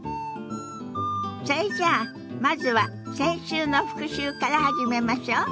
それじゃあまずは先週の復習から始めましょ。